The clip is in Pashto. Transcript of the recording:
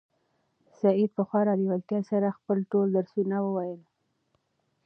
سعید په خورا لېوالتیا سره خپل ټول درسونه وویل.